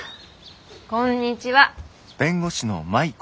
こんにちは。